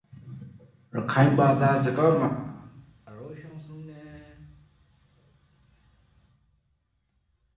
The singer Prince wrote her a song.